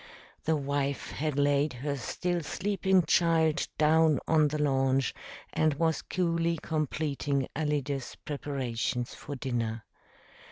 The wife had laid her still sleeping child down on the lounge and was coolly completing Alida's preparations for dinner.